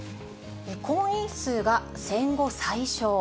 婚姻数が戦後最少。